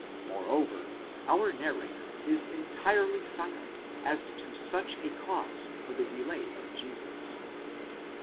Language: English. Moreover, our narrator is entirely silent as to such a cause for the delay of Jesus.